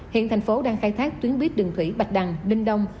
hiện thành phố đang khai thác tuyến bít đường thủy bạch đằng đinh đông